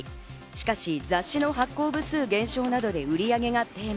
しかし雑誌の発行部数減少などで売り上げが低迷。